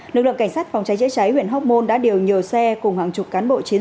lực lượng cảnh sát phòng cháy chữa cháy huyện hóc môn đã điều nhiều xe cùng hàng chục cán bộ chiến sĩ